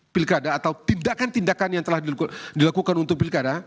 pilkada atau tindakan tindakan yang telah dilakukan untuk pilkada